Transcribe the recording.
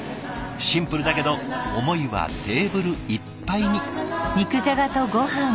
シンプルだけど思いはテーブルいっぱいに。